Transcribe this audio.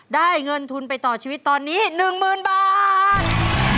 ได้เงินทุนไปต่อชีวิตตอนนี้๑๐๐๐บาท